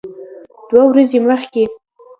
دوه ورځې مخکې